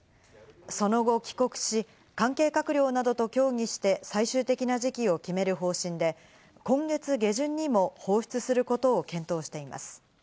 その後、帰国し、関係閣僚などと協議して最終的な時期を決める方針で、今月下旬にも放出することを検討しています。